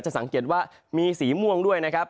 สังเกตว่ามีสีม่วงด้วยนะครับ